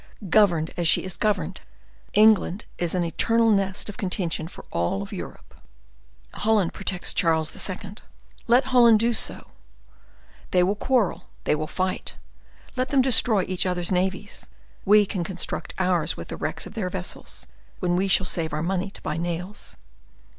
Governed as she is governed, England is an eternal nest of contention for all Europe. Holland protects Charles II., let Holland do so; they will quarrel, they will fight. Let them destroy each other's navies, we can construct ours with the wrecks of their vessels; when we shall save our money to buy nails."